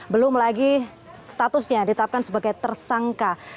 belum lagi statusnya ditetapkan sebagai tersangka